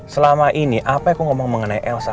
selama ini apa aku ngomong mengenai elsa